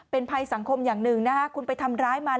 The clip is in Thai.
เป็นภัยสังคมอย่างหนึ่งนะฮะคุณไปทำร้ายมัน